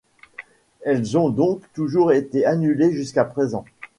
Elles ont donc toujours été annulées jusqu'à présent.